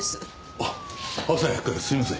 あっ朝早くからすみません。